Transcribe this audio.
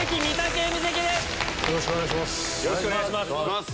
よろしくお願いします。